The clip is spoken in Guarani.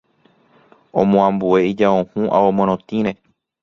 Omoambue ijao hũ ao morotĩre